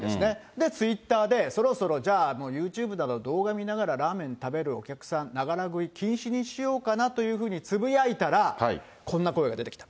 で、ツイッターで、そろそろじゃあ、ユーチューブなどの動画見ながらラーメン食べるお客さん、ながら食い禁止にしようかなとつぶやいたら、こんな声が出てきた。